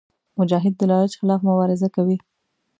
مجاهد د لالچ خلاف مبارزه کوي.